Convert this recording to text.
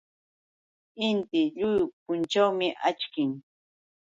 Inti lliw punćhawmi akchin.